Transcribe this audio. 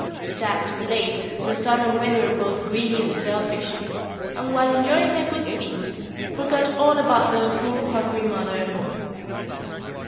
Sad to relate, the Sun and Wind were both greedy and selfish, and, while enjoying the good feast, forgot all about their poor hungry mother at home.